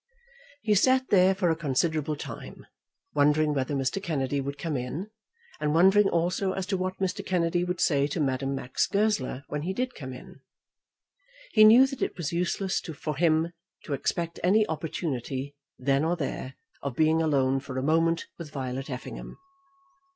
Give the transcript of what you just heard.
He sat there for a considerable time, wondering whether Mr. Kennedy would come in, and wondering also as to what Mr. Kennedy would say to Madame Max Goesler when he did come in. He knew that it was useless for him to expect any opportunity, then or there, of being alone for a moment with Violet Effingham.